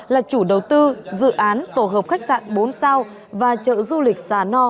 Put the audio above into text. là chủ đầu tư dự án tổ hợp khách sạn bốn sao và chợ du lịch xà no